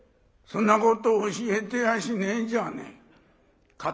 そんなこと教えてやしねえじゃねえか。